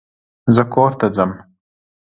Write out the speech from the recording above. زه کورته ځم